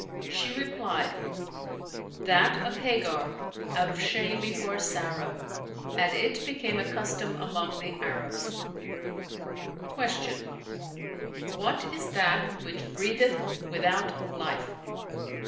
She replied, "That of Hagar, out of shame before Sarah; and it became a custom among the Arabs." Q "What is that which breatheth without life?"